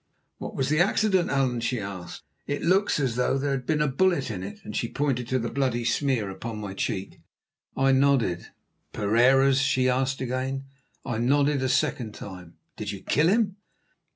"What was the accident, Allan?" she asked. "It looks as though there had been a bullet in it," and she pointed to the bloody smear upon my cheek. I nodded. "Pereira's?" she asked again. I nodded a second time. "Did you kill him?"